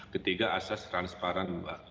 ketiga asas transparan